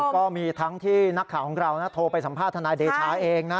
ก็มีทั้งที่นักข่าวของเราโทรไปสัมภาษณ์ทนายเดชาเองนะ